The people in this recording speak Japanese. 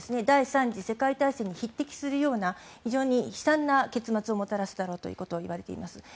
第３次世界大戦に匹敵するような非常に悲惨な結末をもたらすだろうということを言われています。